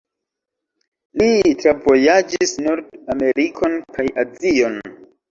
Li travojaĝis Nord-Amerikon kaj Azion.